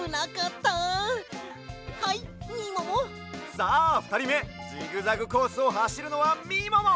さあふたりめジグザグコースをはしるのはみもも！